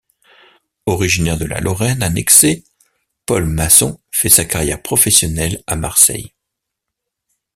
Originaire de la Lorraine annexée, Paul Masson fait sa carrière professionnelle à Marseille.